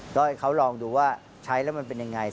ก็ให้เขาลองดูว่าใช้แล้วมันเป็นยังไง